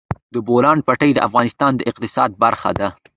د بولان پټي د افغانستان د اقتصاد برخه ده.